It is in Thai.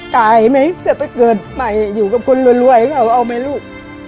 ตายไหมจะไปเกิดใหม่อยู่กับคนรวยเขาเอาไหมลูก